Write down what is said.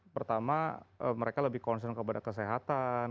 pertama mereka lebih concern kepada kesehatan